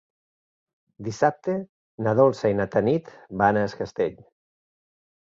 Dissabte na Dolça i na Tanit van a Es Castell.